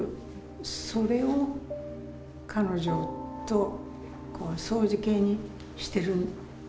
それを彼女と相似形にしてる。